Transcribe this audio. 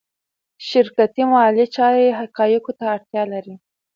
شرکتي مالي چارې حقایقو ته اړتیا لري.